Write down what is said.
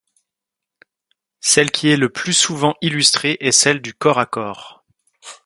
Celle qui est le plus souvent illustrée est celle du corps à corps.